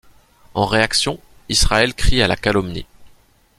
En réaction, Israël crie à la calomnie.